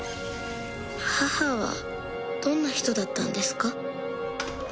母はどんな人だったんですか？